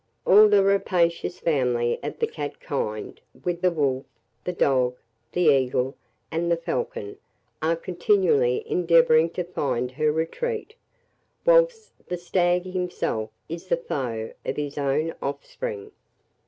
All the rapacious family of the cat kind, with the wolf, the dog, the eagle, and the falcon, are continually endeavouring to find her retreat, whilst the stag himself is the foe of his own offspring.